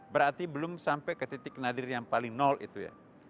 berarti belum sampai ke titik nadir yang paling nol itu ya